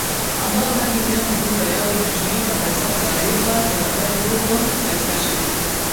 ambao hadi leo midundo yao inatumika katika taarifa za habari huko katika shirika